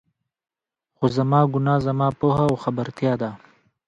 خو زما ګناه، زما پوهه او خبرتيا ده.